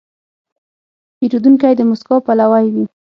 پیرودونکی د موسکا پلوی وي.